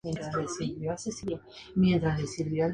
Está soltero y tiene una hermana.